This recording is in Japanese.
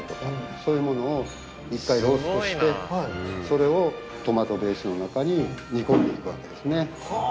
そういうものを１回ローストしてそれをトマトベースの中に煮込んでいくわけですね。